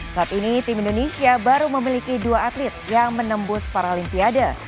saat ini tim indonesia baru memiliki dua atlet yang menembus paralimpiade